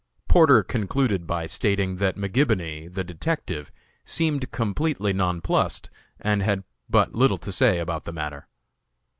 Porter concluded by stating that McGibony, the detective, seemed completely nonplussed, and had but little to say about the matter.